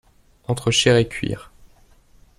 Entre chair et cuir.